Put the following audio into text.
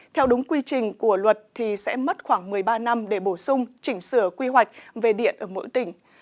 theo đúng quy trình của luật thì sẽ mất khoảng một mươi ba năm để bổ sung chỉnh sửa quy hoạch về điện ở mỗi tỉnh